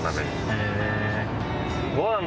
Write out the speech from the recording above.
へえ。